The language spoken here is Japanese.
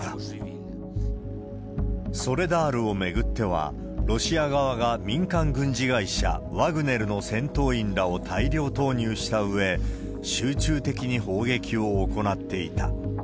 ソレダールを巡っては、ロシア側が民間軍事会社、ワグネルの戦闘員らを大量投入したうえ、集中的に砲撃を行っていた。